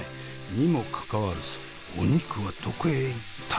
にもかかわらずお肉はどこへ行ったやら。